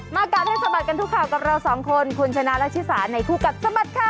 กัดให้สะบัดกันทุกข่าวกับเราสองคนคุณชนะและชิสาในคู่กัดสะบัดข่าว